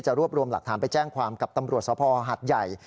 รวบรวมหลักฐานไปแจ้งความกับตำรวจสภหัดใหญ่